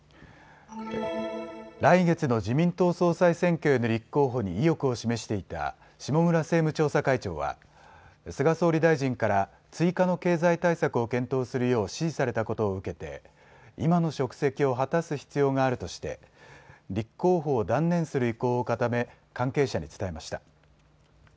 来月の自民党総裁選挙への立候補に意欲を示していた下村政務調査会長は、菅総理大臣から追加の経済対策を検討するよう指示されたことを受けて今の職責を果たす必要があるとして立候補を断念する意向を固め関係者に伝えました。